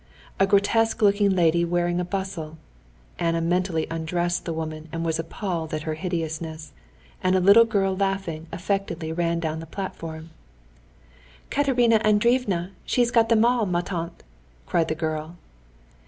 A grotesque looking lady wearing a bustle (Anna mentally undressed the woman, and was appalled at her hideousness), and a little girl laughing affectedly ran down the platform. "Katerina Andreevna, she's got them all, ma tante!" cried the girl.